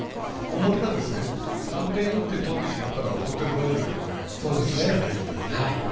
表が３点、４点取ってしまったら送ってる場合じゃないので打つしかないので。